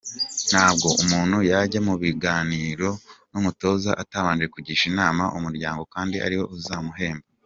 Ntabwo umuntu yajya mu biganiro n’umutoza atabanje kugisha inama umuryango kandi ariwo uzamuhemba.